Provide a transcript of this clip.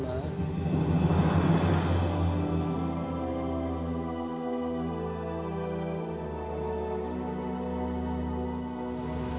masuapin aja gimana